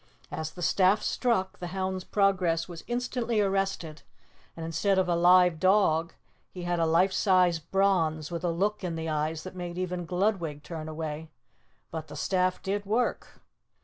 As the staff struck, the hound's progress was instantly arrested and instead of a live dog, he had a life sized bronze with a look in the eyes that made even Gludwig turn away. But the staff did work!